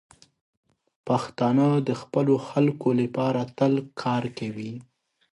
پښتانه د خپلو خلکو لپاره تل کار کوي.